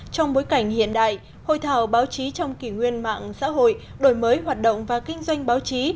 trong bối cảnh hiện đại hội thảo báo chí trong kỷ nguyên mạng xã hội đổi mới hoạt động và kinh doanh báo chí